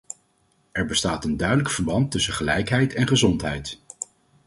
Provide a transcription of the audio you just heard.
Er bestaat een duidelijk verband tussen gelijkheid en gezondheid.